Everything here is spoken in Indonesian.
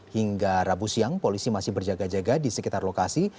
hingga rabu siang polisi masih berjaga jaga di sekitar lokasi